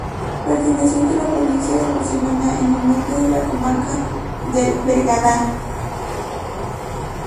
Perteneciente a la provincia de Barcelona, en el norte de la comarca del Bergadá.